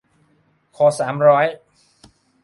ขอสามร้อย